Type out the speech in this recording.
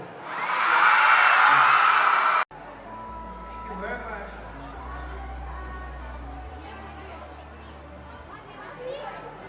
ขอบคุณมากสวัสดีครับ